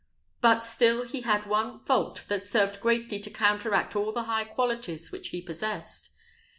but, still he had one fault that served greatly to counteract all the high qualities which he possessed.